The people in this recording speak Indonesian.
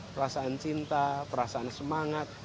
perasaan cinta perasaan semangat